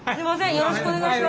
よろしくお願いします。